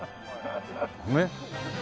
ねっ。